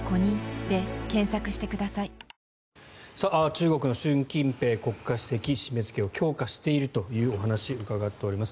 中国の習近平国家主席が締めつけを強化しているというお話を伺っております。